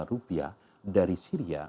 rupiah dari syria